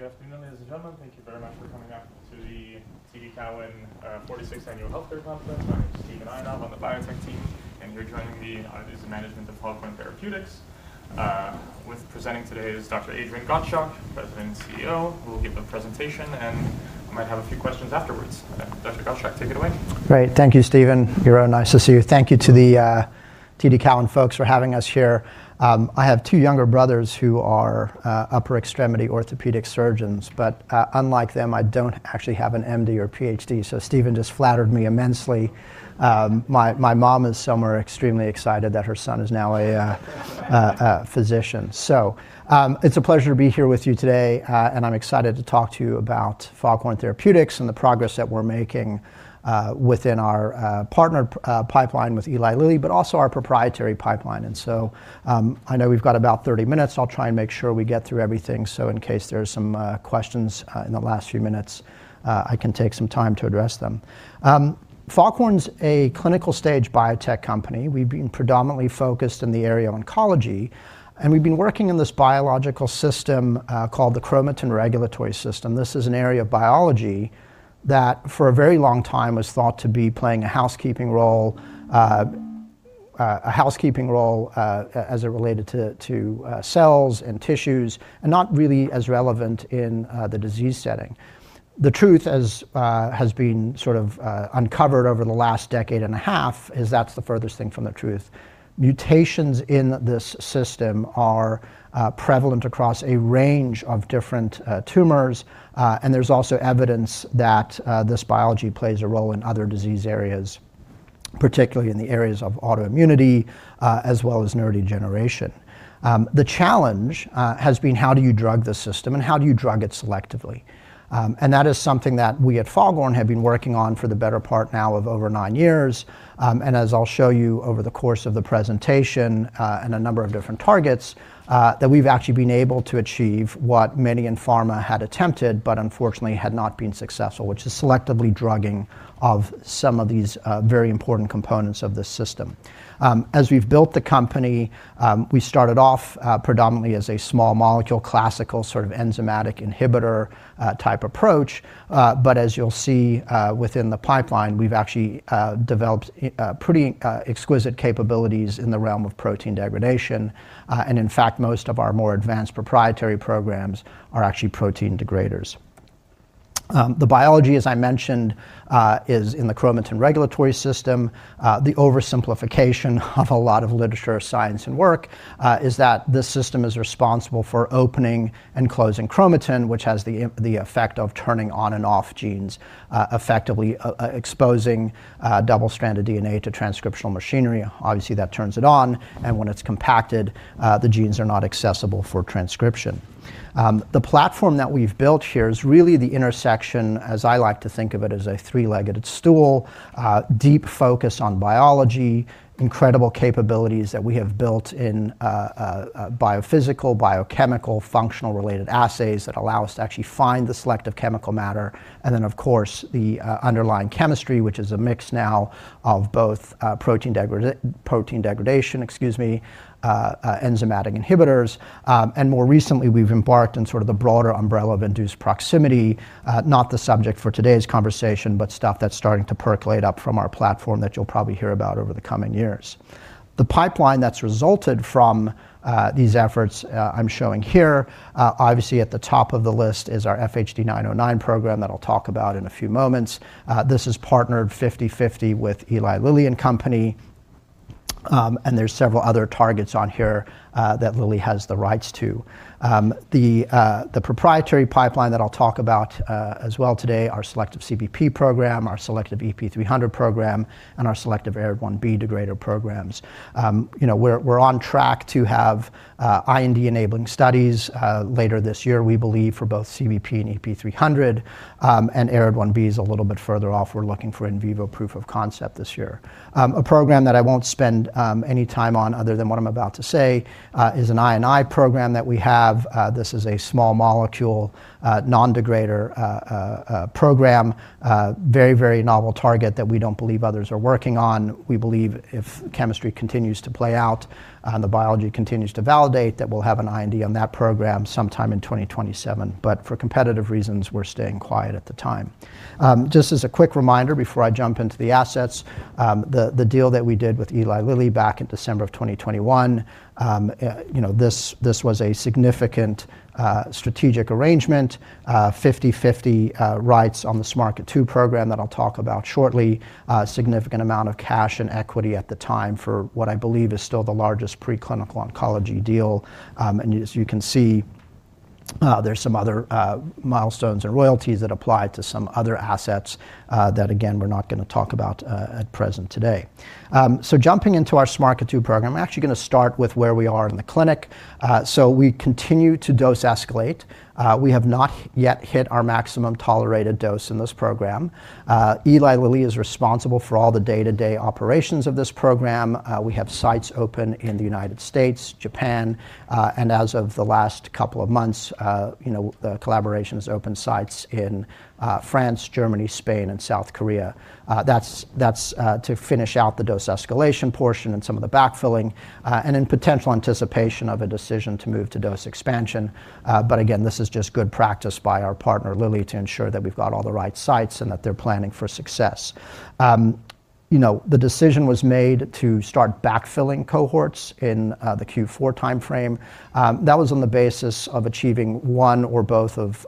Good afternoon, ladies and gentlemen. Thank you very much for coming out to the TD Cowen 46th Annual Healthcare Conference. My name is Steven Einhorn on the Biotech team, here joining me is the management of Foghorn Therapeutics. With presenting today is Dr. Adrian Gottschalk, President and CEO, who will give a presentation and might have a few questions afterwards. Dr. Gottschalk, take it away. Great. Thank you, Steven. You're nice to see you. Thank you to the TD Cowen folks for having us here. I have two younger brothers who are upper extremity orthopedic surgeons. Unlike them, I don't actually have an M.D. or Ph.D. Steven just flattered me immensely. My mom is somewhere extremely excited that her son is now a physician. It's a pleasure to be here with you today, and I'm excited to talk to you about Foghorn Therapeutics and the progress that we're making within our partner pipeline with Eli Lilly, but also our proprietary pipeline. I know we've got about 30 minutes. I'll try and make sure we get through everything. In case there are some questions in the last few minutes, I can take some time to address them. Foghorn's a clinical stage biotech company. We've been predominantly focused in the area of oncology. We've been working in this biological system called the chromatin regulatory system. This is an area of biology that for a very long time was thought to be playing a housekeeping role, a housekeeping role as it related to cells and tissues and not really as relevant in the disease setting. The truth as has been sort of uncovered over the last decade and a half is that's the furthest thing from the truth. Mutations in this system are prevalent across a range of different tumors, and there's also evidence that this biology plays a role in other disease areas, particularly in the areas of autoimmunity, as well as neurodegeneration. The challenge has been how do you drug the system, and how do you drug it selectively? That is something that we at Foghorn have been working on for the better part now of over 9 years. As I'll show you over the course of the presentation, and a number of different targets, that we've actually been able to achieve what many in pharma had attempted but unfortunately had not been successful, which is selectively drugging of some of these very important components of this system. As we've built the company, we started off predominantly as a small molecule, classical sort of enzymatic inhibitor type approach. As you'll see, within the pipeline, we've actually developed pretty exquisite capabilities in the realm of protein degradation. In fact, most of our more advanced proprietary programs are actually protein degraders. The biology, as I mentioned, is in the chromatin regulatory system. The oversimplification of a lot of literature, science, and work, is that the system is responsible for opening and closing chromatin, which has the effect of turning on and off genes, effectively exposing double-stranded DNA to transcriptional machinery. Obviously, that turns it on, and when it's compacted, the genes are not accessible for transcription. The platform that we've built here is really the intersection, as I like to think of it, as a three-legged stool. Deep focus on biology, incredible capabilities that we have built in, biophysical, biochemical, functional-related assays that allow us to actually find the selective chemical matter. Then, of course, the underlying chemistry, which is a mix now of both, protein degradation, excuse me, enzymatic inhibitors. More recently, we've embarked on sort of the broader umbrella of induced proximity. Not the subject for today's conversation, but stuff that's starting to percolate up from our platform that you'll probably hear about over the coming years. The pipeline that's resulted from these efforts, I'm showing here, obviously at the top of the list is our FHD-909 program that I'll talk about in a few moments. This is partnered 50/50 with Eli Lilly and Company, and there are several other targets on here that Lilly has the rights to. The proprietary pipeline that I'll talk about as well today, our selective CBP program, our selective EP300 program, and our selective ARID1B degrader programs. You know, we're on track to have IND-enabling studies later this year, we believe for both CBP and EP300, and ARID1B is a little bit further off. We're looking for in vivo proof of concept this year. A program that I won't spend any time on other than what I'm about to say, is an I&I program that we have. This is a small molecule, non-degrader program, very, very novel target that we don't believe others are working on. We believe if chemistry continues to play out, and the biology continues to validate, that we'll have an IND on that program sometime in 2027. For competitive reasons, we're staying quiet at the time. Just as a quick reminder before I jump into the assets, the deal that we did with Eli Lilly back in December 2021, you know, this was a significant strategic arrangement, 50/50 rights on the SMARCA2 program that I'll talk about shortly. Significant amount of cash and equity at the time for what I believe is still the largest preclinical oncology deal. As you can see, there are some other milestones or royalties that apply to some other assets that again, we're not gonna talk about at present today. Jumping into our SMARCA2 program, I'm actually gonna start with where we are in the clinic. We continue to dose escalate. We have not yet hit our maximum tolerated dose in this program. Eli Lilly is responsible for all the day-to-day operations of this program. We have sites open in the United States, Japan, and as of the last couple of months, you know, the collaboration has opened sites in France, Germany, Spain, and South Korea. That's, that's to finish out the dose escalation portion and some of the backfilling, and in potential anticipation of a decision to move to dose expansion. Again, this is just good practice by our partner, Lilly, to ensure that we've got all the right sites and that they're planning for success. You know, the decision was made to start backfilling cohorts in the Q4 timeframe. That was on the basis of achieving one or both of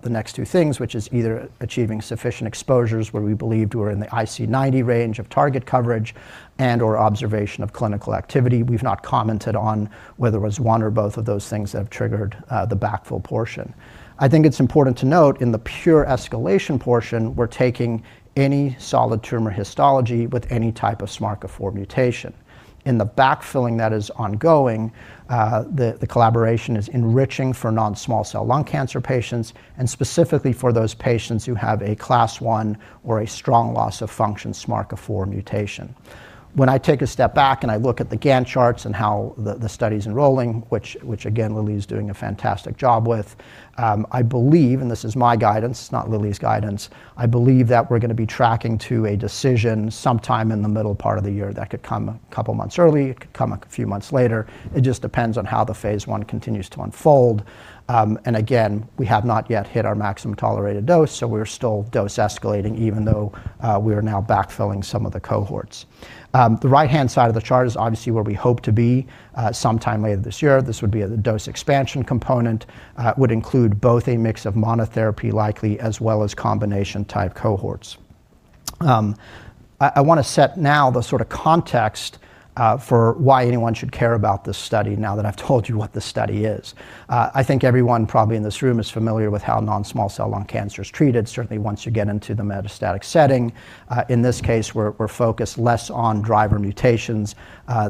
the next two things, which is either achieving sufficient exposures where we believed were in the IC90 range of target coverage and/or observation of clinical activity. We've not commented on whether it was one or both of those things that have triggered the backfill portion. I think it's important to note in the pure escalation portion, we're taking any solid tumor histology with any type of SMARCA4 mutation. In the backfilling that is ongoing, the collaboration is enriching for non-small cell lung cancer patients and specifically for those patients who have a class one or a strong loss of function SMARCA4 mutation. When I take a step back and I look at the Gantt charts and how the study's enrolling, which again, Lilly is doing a fantastic job with, I believe, and this is my guidance, not Lilly's guidance, I believe that we're gonna be tracking to a decision sometime in the middle part of the year that could come a couple months early, it could come a few months later. It just depends on how the phase 1 continues to unfold. We have not yet hit our maximum tolerated dose. We're still dose escalating even though we are now backfilling some of the cohorts. The right-hand side of the chart is obviously where we hope to be sometime later this year. This would be the dose expansion component. It would include both a mix of monotherapy likely as well as combination type cohorts. I wanna set now the sorta context for why anyone should care about this study now that I've told you what the study is. I think everyone probably in this room is familiar with how non-small cell lung cancer is treated, certainly once you get into the metastatic setting. In this case, we're focused less on driver mutations.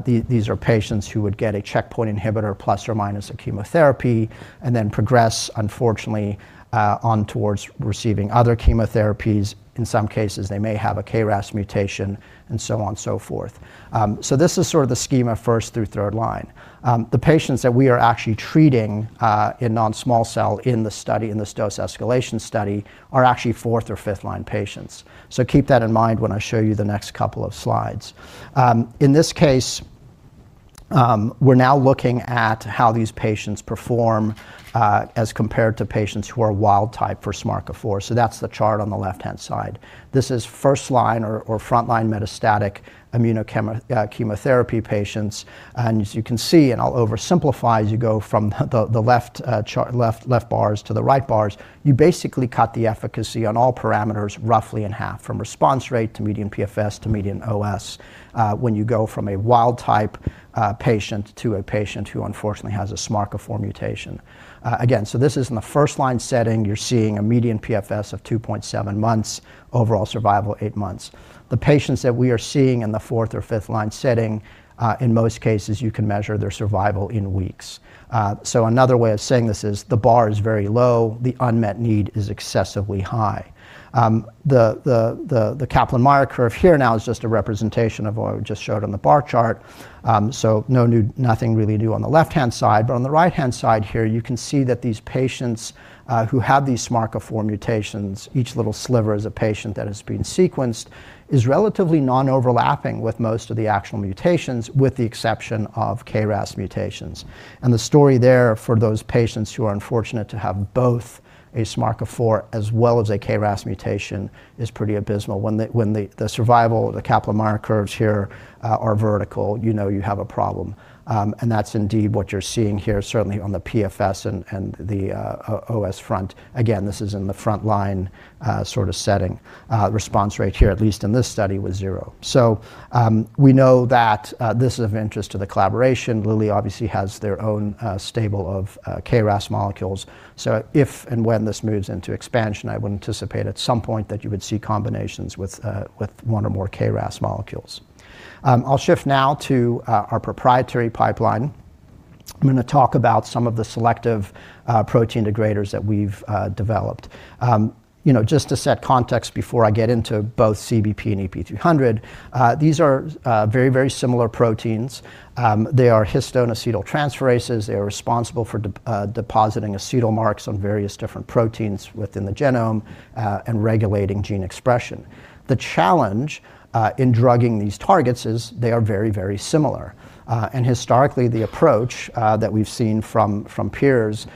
These are patients who would get a checkpoint inhibitor plus or minus a chemotherapy and then progress, unfortunately, on towards receiving other chemotherapies. In some cases, they may have a KRAS mutation and so on and so forth. So this is sort of the schema first through third line. The patients that we are actually treating in non-small cell in the study, in this dose escalation study, are actually fourth or fifth line patients. Keep that in mind when I show you the next couple of slides. In this case, we're now looking at how these patients perform as compared to patients who are wild type for SMARCA4. That's the chart on the left-hand side. This is first-line or frontline metastatic chemotherapy patients. As you can see, and I'll oversimplify as you go from the left chart, left bars to the right bars, you basically cut the efficacy on all parameters roughly in half from response rate to median PFS to median OS, when you go from a wild type patient to a patient who unfortunately has a SMARCA4 mutation. Again, this is in the first-line setting. You're seeing a median PFS of 2.7 months, overall survival 8 months. The patients that we are seeing in the fourth or fifth line setting, in most cases, you can measure their survival in weeks. Another way of saying this is the bar is very low, the unmet need is excessively high. The Kaplan-Meier curve here now is just a representation of what I just showed on the bar chart. Nothing really new on the left-hand side. On the right-hand side here, you can see that these patients, who have these SMARCA4 mutations, each little sliver is a patient that has been sequenced, is relatively non-overlapping with most of the actual mutations, with the exception of KRAS mutations. The story there for those patients who are unfortunate to have both a SMARCA4 as well as a KRAS mutation is pretty abysmal. When the survival, the Kaplan-Meier curves here, are vertical, you know you have a problem. That's indeed what you're seeing here, certainly on the PFS and the OS front. Again, this is in the front-line, sorta setting. Response rate here, at least in this study, was zero. We know that this is of interest to the collaboration. Lilly obviously has their own stable of KRAS molecules. If and when this moves into expansion, I would anticipate at some point that you would see combinations with one or more KRAS molecules. I'll shift now to our proprietary pipeline. I'm gonna talk about some of the selective protein degraders that we've developed. You know, just to set context before I get into both CBP and EP300, these are very, very similar proteins. They are histone acetyltransferases. They are responsible for depositing acetyl marks on various different proteins within the genome and regulating gene expression. The challenge in drugging these targets is they are very, very similar. Historically, the approach that we've seen from peers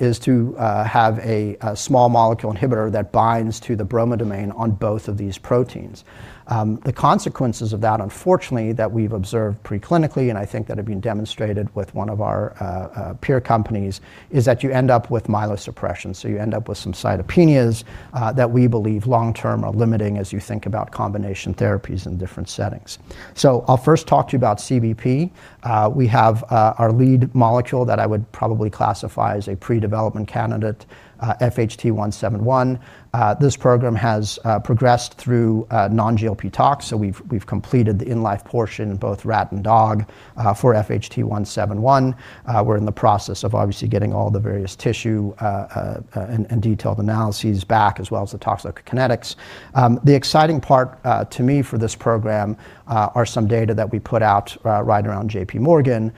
is to have a small molecule inhibitor that binds to the bromodomain on both of these proteins. The consequences of that, unfortunately, that we've observed pre-clinically, and I think that have been demonstrated with one of our peer companies, is that you end up with myelosuppression. You end up with some cytopenias that we believe long-term are limiting as you think about combination therapies in different settings. I'll first talk to you about CBP. We have our lead molecule that I would probably classify as a pre-development candidate, FHT-171. This program has progressed through non-GLP tox. We've completed the in-life portion in both rat and dog for FHT-171. We're in the process of obviously getting all the various tissue and detailed analyses back as well as the toxicokinetics. The exciting part to me for this program are some data that we put out right around J.P. Morgan,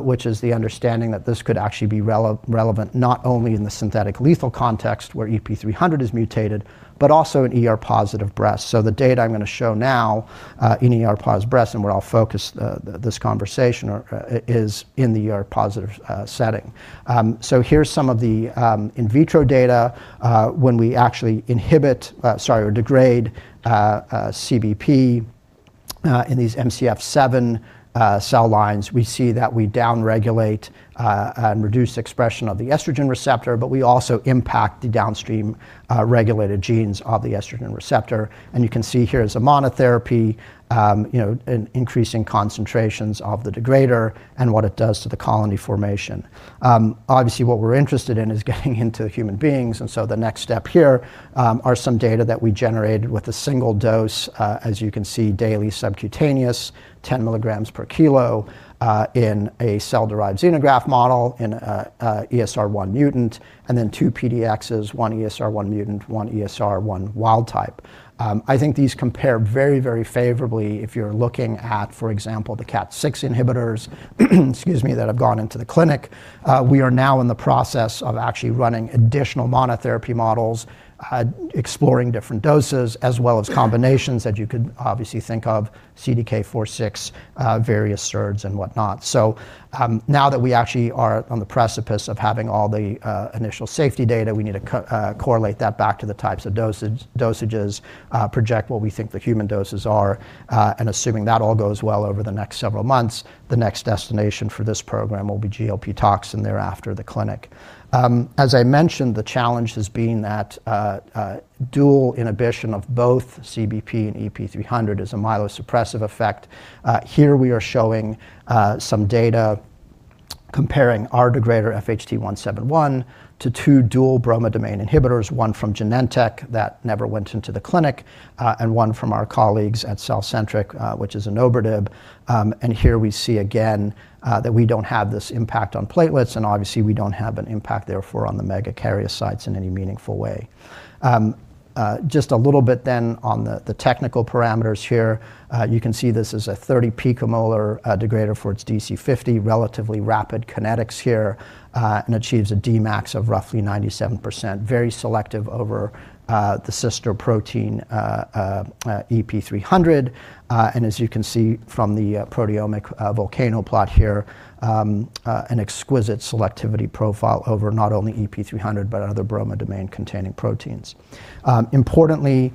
which is the understanding that this could actually be relevant not only in the synthetic lethal context where EP300 is mutated, but also in ER+ breast. The data I'm gonna show now in ER+ breast and where I'll focus this conversation or is in the ER+ setting. Here's some of the in vitro data when we actually inhibit, sorry, or degrade CBP. In these MCF7 cell lines, we see that we downregulate and reduce expression of the estrogen receptor, but we also impact the downstream regulated genes of the estrogen receptor. You can see here as a monotherapy, you know, in increasing concentrations of the degrader and what it does to the colony formation. Obviously, what we're interested in is getting into human beings. The next step here are some data that we generated with a single dose, as you can see, daily subcutaneous, 10 milligrams per kilo in a cell-derived xenograft model in a ESR1 mutant, and then two PDXs, one ESR1 mutant, one ESR1 wild type. I think these compare very, very favorably if you're looking at, for example, the KAT6 inhibitors, excuse me, that have gone into the clinic. We are now in the process of actually running additional monotherapy models, exploring different doses as well as combinations that you could obviously think of CDK4/6, various SERDs and whatnot. Now that we actually are on the precipice of having all the initial safety data, we need to correlate that back to the types of dosages, project what we think the human doses are, and assuming that all goes well over the next several months, the next destination for this program will be GLP toxicology, thereafter the clinic. As I mentioned, the challenge has been that dual inhibition of both CBP and EP300 is a myelosuppressive effect. Here we are showing some data comparing our degrader FHT-171 to two dual bromodomain inhibitors, one from Genentech that never went into the clinic, and one from our colleagues at CellCentric, which is inobrodib. Here we see again that we don't have this impact on platelets, and obviously, we don't have an impact therefore on the megakaryocytes in any meaningful way. Just a little bit then on the technical parameters here. You can see this is a 30 picomolar degrader for its DC50 relatively rapid kinetics here, and achieves a Dmax of roughly 97%. Very selective over the sister protein EP300. As you can see from the proteomic volcano plot here, an exquisite selectivity profile over not only EP300 but other bromodomain-containing proteins. Importantly,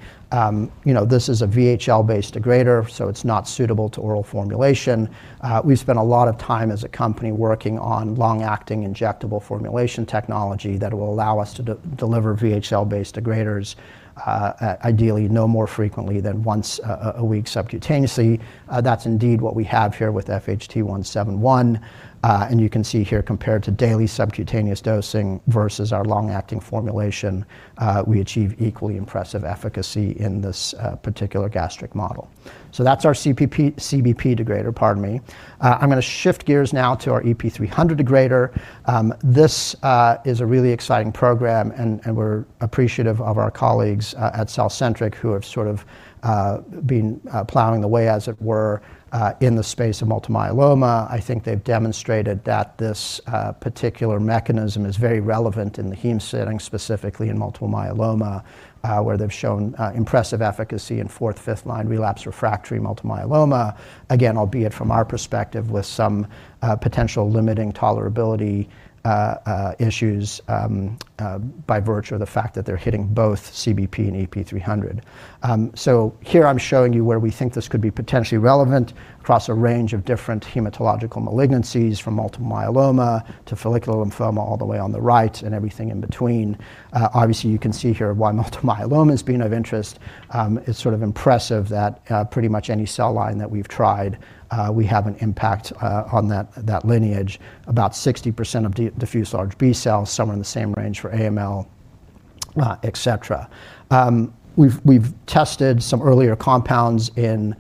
you know, this is a VHL-based degrader, so it's not suitable to oral formulation. We've spent a lot of time as a company working on long-acting injectable formulation technology that will allow us to de-deliver VHL-based degraders, ideally no more frequently than once a week subcutaneously. That's indeed what we have here with FHT-171. And you can see here compared to daily subcutaneous dosing versus our long-acting formulation, we achieve equally impressive efficacy in this particular gastric model. That's our CBP degrader, pardon me. I'm going to shift gears now to our EP300 degrader. This is a really exciting program, and we're appreciative of our colleagues at CellCentric who have sort of been plowing the way, as it were, in the space of multiple myeloma. I think they've demonstrated that this particular mechanism is very relevant in the heme setting, specifically in multiple myeloma, where they've shown impressive efficacy in fourth, fifth line relapse refractory multiple myeloma. Again, albeit from our perspective, with some potential limiting tolerability issues by virtue of the fact that they're hitting both CBP and EP300. Here I'm showing you where we think this could be potentially relevant across a range of different hematological malignancies from multiple myeloma to follicular lymphoma all the way on the right and everything in between. Obviously, you can see here why multiple myeloma is being of interest. It's sort of impressive that pretty much any cell line that we've tried, we have an impact on that lineage. About 60% of diffuse large B-cell, somewhere in the same range for AML, et cetera. We've tested some earlier compounds in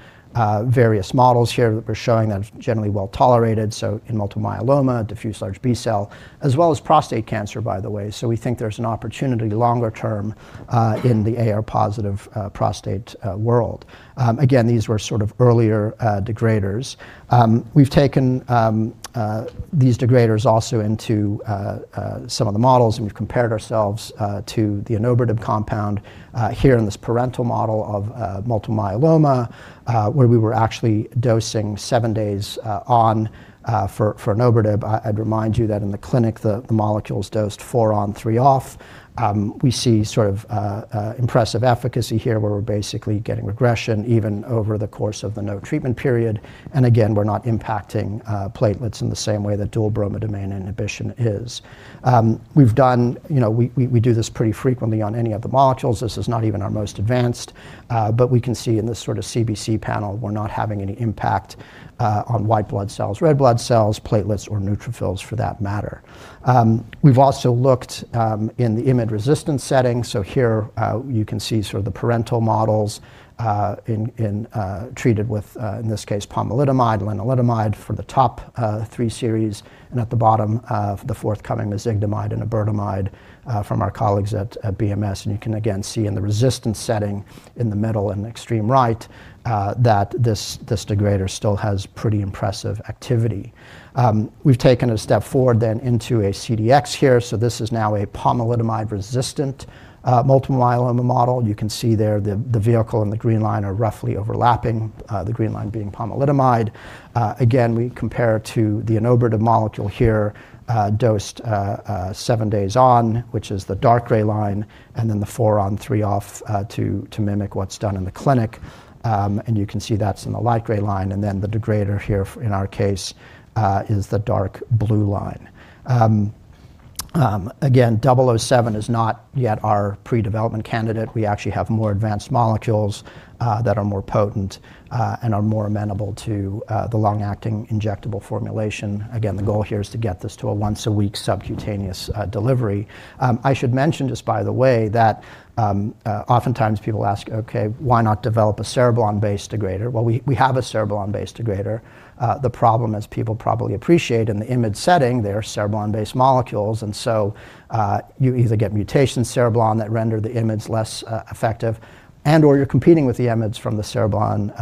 various models here that we're showing that are generally well-tolerated. In multiple myeloma, diffuse large B-cell, as well as prostate cancer, by the way. We think there's an opportunity longer term in the AR+ prostate world. Again, these were sort of earlier degraders. We've taken these degraders also into some of the models, and we've compared ourselves to the inobrodib compound here in this parental model of multiple myeloma, where we were actually dosing seven days on for inobrodib. I'd remind you that in the clinic, the molecule's dosed four on, three off. We see sort of impressive efficacy here, where we're basically getting regression even over the course of the no treatment period. Again, we're not impacting platelets in the same way that dual bromodomain inhibition is. You know, we do this pretty frequently on any of the molecules. This is not even our most advanced, but we can see in this sort of CBC panel, we're not having any impact on white blood cells, red blood cells, platelets, or neutrophils for that matter. We've also looked in the IMiD-resistant setting. Here, you can see sort of the parental models in treated with in this case, Pomalidomide, Lenalidomide for the top three series and at the bottom for the forthcoming Mezigdomide and Iberdomide from our colleagues at BMS. You can again see in the resistant setting in the middle and extreme right, that this degrader still has pretty impressive activity. We've taken a step forward then into a CDX here. This is now a Pomalidomide-resistant multiple myeloma model. You can see there the vehicle and the green line are roughly overlapping, the green line being Pomalidomide. Again, we compare to the inobrodib molecule here, dosed seven days on, which is the dark gray line, and then the four on, three off, to mimic what's done in the clinic. You can see that's in the light gray line. Then the degrader here in our case, is the dark blue line. Again, double O seven is not yet our pre-development candidate. We actually have more advanced molecules that are more potent and are more amenable to the long-acting injectable formulation. Again, the goal here is to get this to a once-a-week subcutaneous delivery. I should mention just by the way that oftentimes people ask, "Okay, why not develop a Cereblon-based degrader?" Well, we have a Cereblon-based degrader. The problem, as people probably appreciate, in the IMiD setting, they are Cereblon-based molecules. You either get mutation Cereblon that render the IMiDs less effective, and/or you're competing with the IMiDs from the Cereblon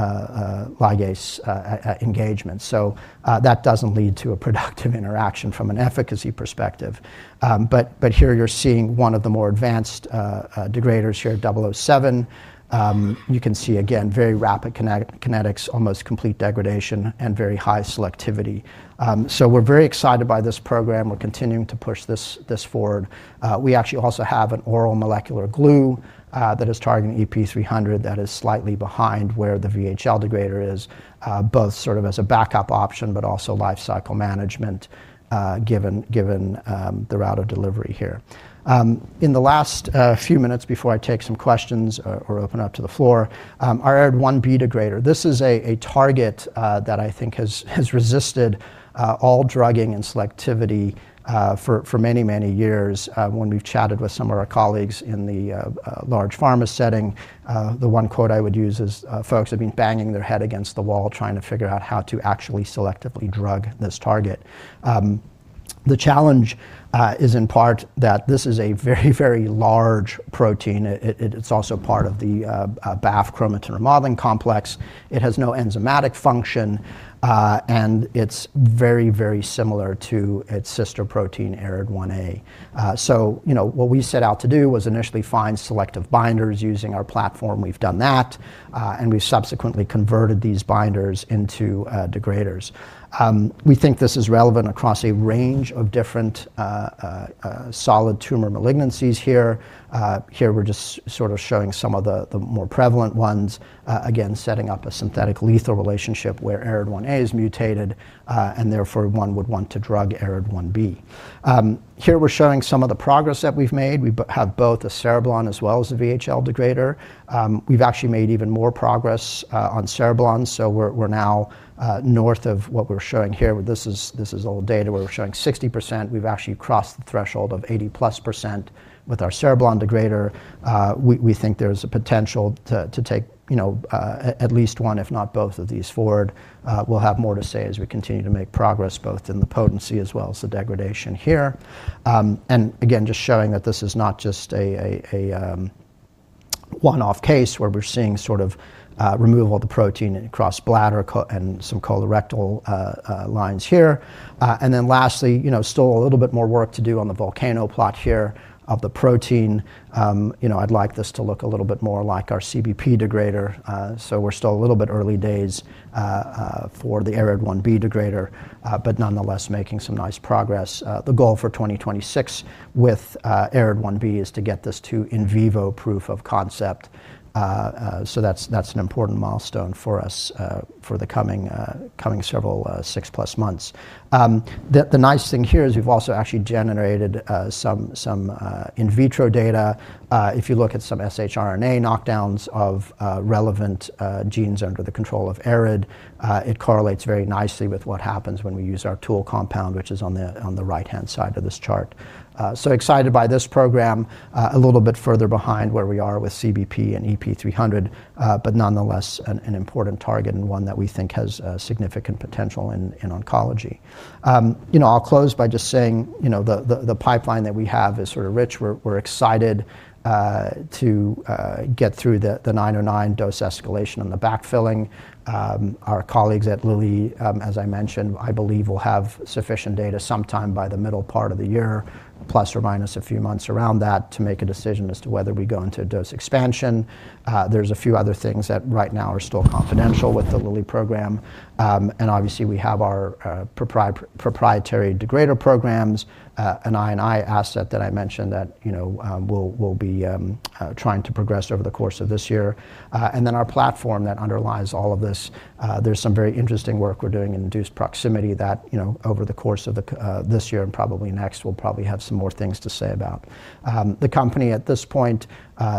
ligase engagement. That doesn't lead to a productive interaction from an efficacy perspective. Here you're seeing one of the more advanced degraders here at double O seven. You can see again very rapid kinetics, almost complete degradation, and very high selectivity. We're very excited by this program. We're continuing to push this forward. We actually also have an oral molecular glue that is targeting EP300 that is slightly behind where the VHL degrader is, both sort of as a backup option, but also lifecycle management, given the route of delivery here. In the last few minutes before I take some questions or open up to the floor, our ARID1B degrader. This is a target that I think has resisted all drugging and selectivity for many, many years. When we've chatted with some of our colleagues in the large pharma setting, the one quote I would use is, folks have been banging their head against the wall trying to figure out how to actually selectively drug this target. The challenge is in part that this is a very, very large protein. It's also part of the BAF chromatin remodeling complex. It has no enzymatic function, and it's very, very similar to its sister protein, ARID1A. You know, what we set out to do was initially find selective binders using our platform. We've done that, and we've subsequently converted these binders into degraders. We think this is relevant across a range of different solid tumor malignancies here. Here we're just sort of showing some of the more prevalent ones, again, setting up a synthetic lethal relationship where ARID1A is mutated, and therefore one would want to drug ARID1B. Here we're showing some of the progress that we've made. We have both the Cereblon as well as the VHL degrader. We've actually made even more progress on Cereblon. We're now north of what we're showing here. This is old data where we're showing 60%. We've actually crossed the threshold of 80%+ with our Cereblon degrader. We think there's a potential to take, you know, at least one if not both of these forward. We'll have more to say as we continue to make progress both in the potency as well as the degradation here. Again, just showing that this is not just a one-off case where we're seeing sort of removal of the protein across bladder and some colorectal lines here. Lastly, you know, still a little bit more work to do on the volcano plot here of the protein. You know, I'd like this to look a little bit more like our CBP degrader. We're still a little bit early days for the ARID1B degrader, but nonetheless making some nice progress. The goal for 2026 with ARID1B is to get this to in vivo proof of concept. That's an important milestone for us for the coming several 6+ months. The nice thing here is we've also actually generated some in vitro data. If you look at some shRNA knockdowns of relevant genes under the control of ARID, it correlates very nicely with what happens when we use our tool compound, which is on the right-hand side of this chart. Excited by this program. A little bit further behind where we are with CBP and EP300, nonetheless an important target and one that we think has significant potential in oncology. You know, I'll close by just saying, you know, the pipeline that we have is sort of rich. We're excited to get through the 909 dose escalation and the backfilling. Our colleagues at Lilly, as I mentioned, I believe will have sufficient data sometime by the middle part of the year, plus or minus a few months around that, to make a decision as to whether we go into a dose expansion. There's a few other things that right now are still confidential with the Lilly program. Obviously, we have our proprietary degrader programs, an I&I asset that I mentioned that, you know, we'll be trying to progress over the course of this year. Then our platform that underlies all of this, there's some very interesting work we're doing in induced proximity that, you know, over the course of this year and probably next, we'll probably have some more things to say about. The company at this point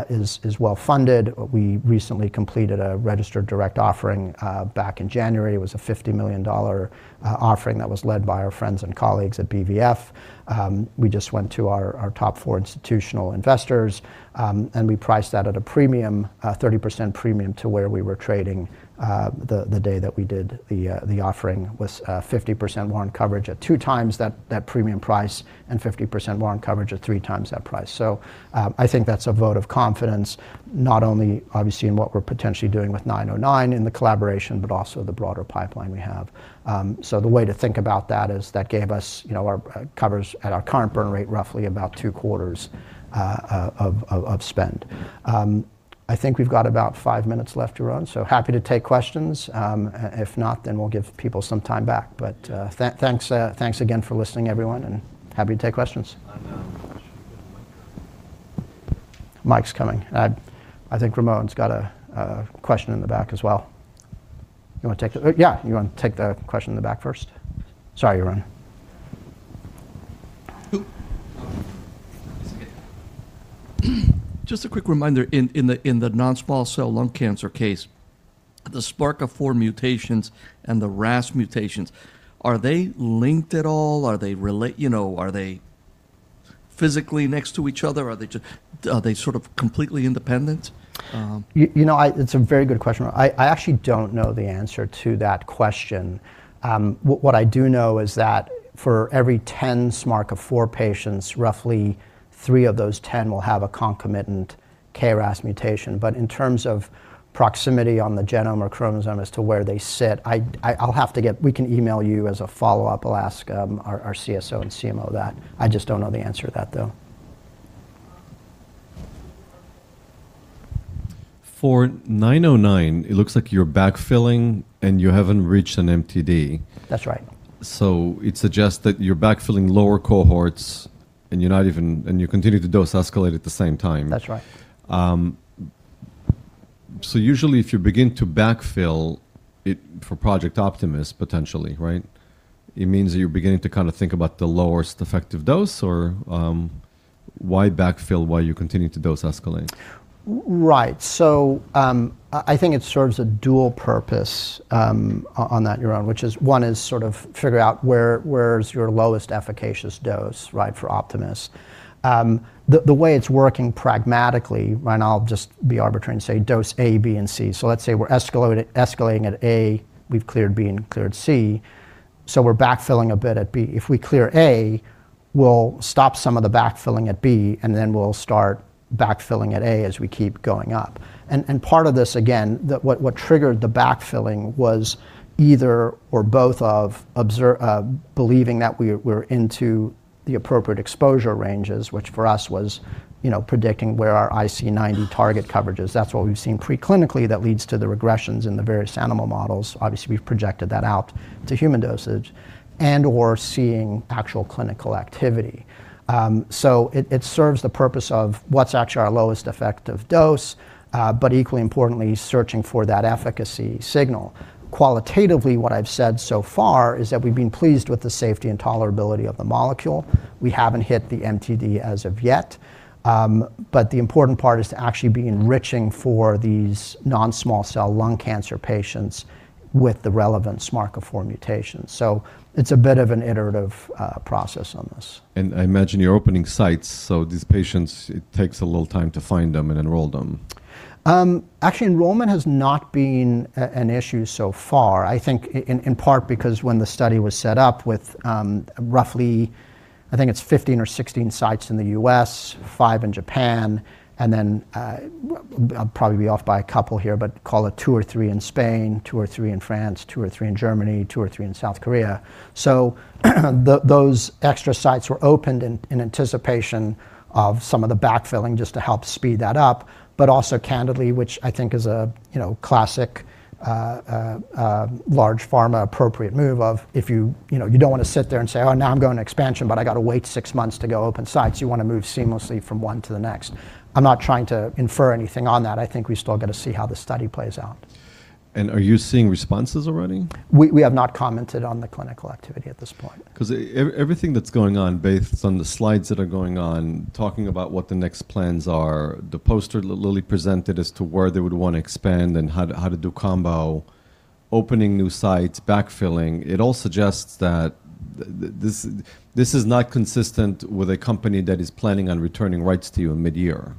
is well-funded. We recently completed a registered direct offering back in January. It was a $50 million offering that was led by our friends and colleagues at BVF. We just went to our top four institutional investors, we priced that at a premium, a 30% premium to where we were trading the day that we did the offering. Was 50% warrant coverage at 2x that premium price and 50% warrant coverage at 3x that price. I think that's a vote of confidence, not only obviously in what we're potentially doing with 909 in the collaboration, but also the broader pipeline we have. The way to think about that is that gave us our coverage at our current burn rate roughly about two-quarters of spend. I think we've got about five minutes left to run, happy to take questions. If not, we'll give people some time back. Thanks, thanks again for listening, everyone, happy to take questions. Mike's coming. I think Ramon's got a question in the back as well. You wanna take it? Yeah. You wanna take the question in the back first? Sorry, Yaron. It's okay. Just a quick reminder, in the non-small cell lung cancer case, the SMARCA4 mutations and the RAS mutations, are they linked at all? You know, are they physically next to each other? Are they just, are they sort of completely independent? You know, it's a very good question. I actually don't know the answer to that question. What I do know is that for every 10 SMARCA4 patients, roughly three of those 10 will have a concomitant KRAS mutation. In terms of proximity on the genome or chromosome as to where they sit, we can email you as a follow-up. I'll ask our CSO and CMO that. I just don't know the answer to that, though. For 909, it looks like you're backfilling and you haven't reached an MTD. That's right. It suggests that you're backfilling lower cohorts and you're not even. You continue to dose escalate at the same time. That's right. Usually if you begin to backfill it for Project Optimus, potentially, right? It means that you're beginning to kinda think about the lowest effective dose or, why backfill while you continue to dose escalate? Right. I think it serves a dual purpose on that, Yaron. Which is one, is sort of figure out where is your lowest efficacious dose, right, for Project Optimus. The way it's working pragmatically, right? I'll just be arbitrary and say dose A, B, and C. Let's say we're escalating at A, we've cleared B and cleared C, so we're backfilling a bit at B. If we clear A, we'll stop some of the backfilling at B, and then we'll start backfilling at A as we keep going up. Part of this again, what triggered the backfilling was either or both of believing that we're into the appropriate exposure ranges, which for us was, you know, predicting where our IC90 target coverage is. That's what we've seen pre-clinically that leads to the regressions in the various animal models. Obviously, we've projected that out to human dosage and/or seeing actual clinical activity. It, it serves the purpose of what's actually our lowest effective dose, but equally importantly, searching for that efficacy signal. Qualitatively, what I've said so far is that we've been pleased with the safety and tolerability of the molecule. We haven't hit the MTD as of yet. The important part is to actually be enriching for these non-small cell lung cancer patients with the relevant SMARCA4 mutations. It's a bit of an iterative process on this. I imagine you're opening sites, so these patients, it takes a little time to find them and enroll them. Actually, enrollment has not been an issue so far. I think in part because when the study was set up with, roughly, I think it's 15 or 16 sites in the U.S., five in Japan, and then, I'll probably be off by a couple here, but call it two or three in Spain, two or three in France, two or three in Germany, two or three in South Korea. Those extra sites were opened in anticipation of some of the backfilling just to help speed that up. Also candidly, which I think is a, you know, classic, large pharma appropriate move of if you know, you don't wanna sit there and say, "Oh, now I'm going to expansion, but I got to wait six months to go open sites." You wanna move seamlessly from one to the next. I'm not trying to infer anything on that. I think we still got to see how the study plays out. Are you seeing responses already? We have not commented on the clinical activity at this point. 'Cause everything that's going on based on the slides that are going on, talking about what the next plans are, the poster Lilly presented as to where they would wanna expand and how to, how to do combo, opening new sites, backfilling, it all suggests that this is not consistent with a company that is planning on returning rights to you midyear.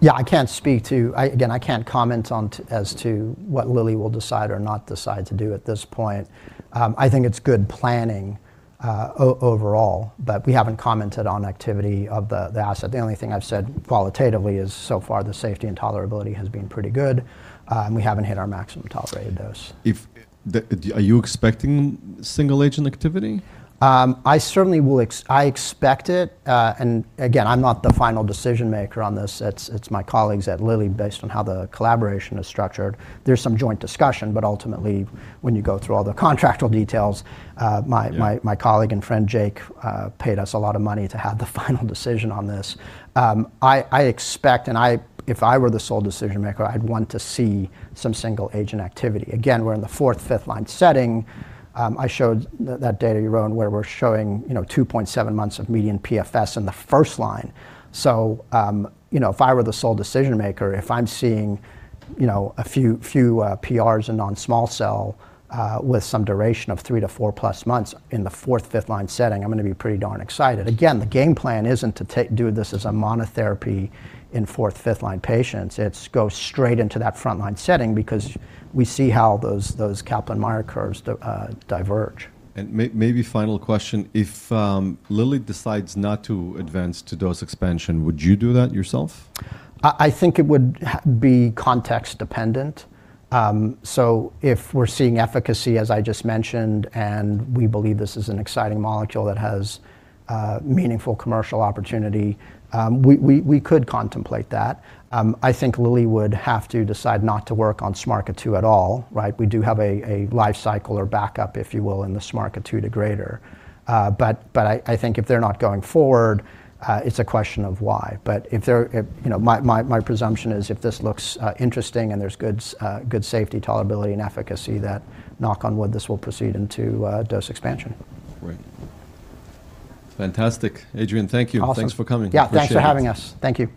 Yeah. I can't speak to. I can't comment on as to what Lilly will decide or not decide to do at this point. I think it's good planning overall, we haven't commented on activity of the asset. The only thing I've said qualitatively is so far the safety and tolerability has been pretty good, and we haven't hit our maximum tolerated dose. Are you expecting single-agent activity? I certainly will expect it. Again, I'm not the final decision-maker on this. It's, it's my colleagues at Lilly, based on how the collaboration is structured. There's some joint discussion, but ultimately, when you go through all the contractual details. Yeah my colleague and friend Jake paid us a lot of money to have the final decision on this. I expect if I were the sole decision-maker, I'd want to see some single-agent activity. Again, we're in the 4th, 5th line setting. I showed that data, Yaron, where we're showing, you know, 2.7 months of median PFS in the first line. You know, if I were the sole decision-maker, if I'm seeing, you know, a few PRs in non-small cell, with some duration of 3-4+ months in the fourth, fifth line setting, I'm gonna be pretty darn excited. Again, the game plan isn't to do this as a monotherapy in fourth, fifth line patients. It's go straight into that front line setting because we see how those Kaplan-Meier curves diverge. Maybe final question. If Lilly decides not to advance to dose expansion, would you do that yourself? I think it would be context dependent. If we're seeing efficacy, as I just mentioned, and we believe this is an exciting molecule that has meaningful commercial opportunity, we could contemplate that. I think Lilly would have to decide not to work on SMARCA2 at all, right? We do have a life cycle or backup, if you will, in the SMARCA2 degrader. I think if they're not going forward, it's a question of why. If, you know, my presumption is if this looks interesting and there's good safety, tolerability, and efficacy that, knock on wood, this will proceed into dose expansion. Right. Fantastic. Adrian, thank you. Awesome. Thanks for coming. Yeah. Appreciate it. Thanks for having us. Thank you.